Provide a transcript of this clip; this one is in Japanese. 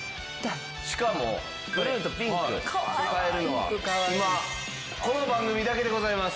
しかもブルーとピンク買えるのは今この番組だけでございます。